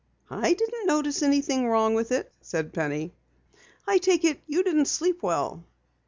"I didn't notice anything wrong with it," said Penny. "I take it you didn't sleep well."